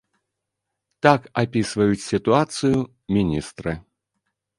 Так апісваюць сітуацыю міністры.